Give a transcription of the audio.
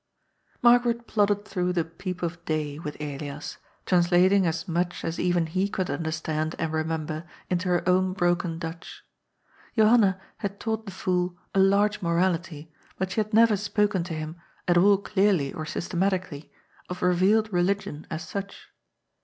Margaret plodded through the "Peep of Day*' with Elias, translating as much as even he could understand and remember into her own broken Dutch. Johanna had taught the fool a large morality, but she had never spoken to him, at all clearly or systematically, of revealed religion as such.